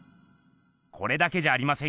これだけじゃありませんよ。